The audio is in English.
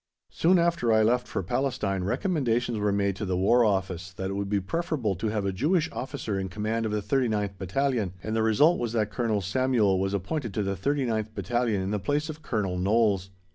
Soon after I left for Palestine recommendations were made to the War Office that it would be preferable to have a Jewish officer in command of the 39th Battalion, and the result was that Colonel Samuel was appointed to the 39th Battalion in the place of Colonel Knowles.